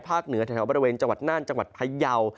เหนือแถวบริเวณจังหวัดน่านจังหวัดพยาว